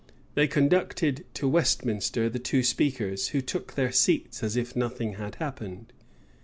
They conducted to Westminster the two speakers, who took their seats as if nothing had happened.